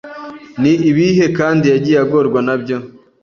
Ni ibihe kandi yagiye agorwa nabyo